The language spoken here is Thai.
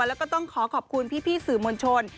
แล้วก็ต้องขอขอบคุณพี่สื่อมวลชน